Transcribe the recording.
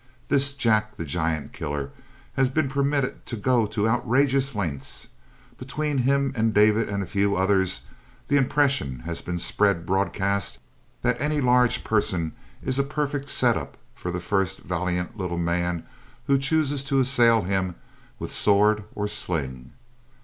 This Jack the Giant Killer has been permitted to go to outrageous lengths. Between him and David, and a few others, the impression has been spread broadcast that any large person is a perfect setup for the first valiant little man who chooses to assail him with sword or sling.